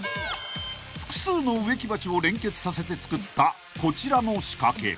［複数の植木鉢を連結させて作ったこちらの仕掛け］